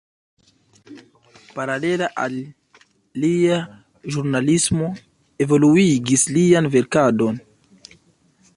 Paralela al lia ĵurnalismo, evoluigis lian verkadon.